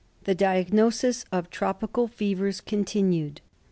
The Diagnosis of Tropical Fevers — {continued.)